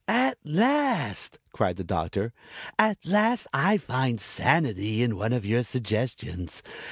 "At last!" cried the Doctor. "At last I find sanity in one of your suggestions.